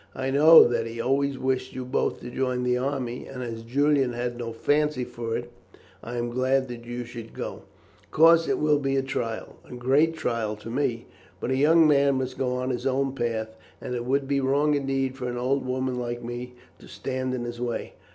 I know that he always wished you both to join the army, and as Julian had no fancy for it, I am glad that you should go. Of course it will be a trial, a great trial to me; but a young man must go on his own path, and it would be wrong indeed for an old woman like me to stand in his way."